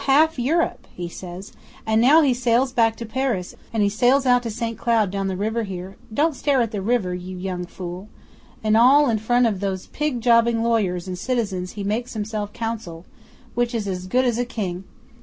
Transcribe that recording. half Europe!" he says, "and now he sails back to Paris, and he sails out to St Cloud down the river here don't stare at the river, you young fool! and all in front of these pig jobbing lawyers and citizens he makes himself Consul, which is as good as a King.